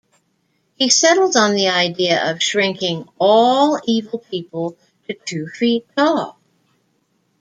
He settles on the idea of shrinking all evil people to two feet tall.